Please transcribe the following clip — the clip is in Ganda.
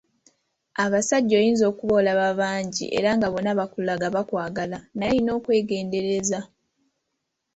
Abasajja oyinza okuba olaba bangi era nga bonna bakulaga bakwagala naye olina okwegendereza.